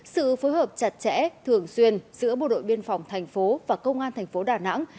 sự phối hợp chặt chẽ thường xuyên giữa bộ đội biên phòng thành phố và công an thành phố đà nẵng